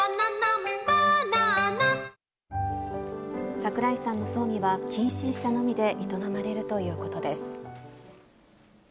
桜井さんの葬儀は近親者のみで営まれるということです。